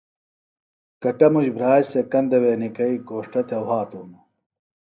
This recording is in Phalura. کٹموش بھراش سےۡ کندہ وے نِکھئیۡ گھوݜٹہ تھےۡ وھاتوۡ ہنوۡ